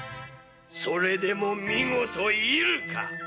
それでも見事射るか！？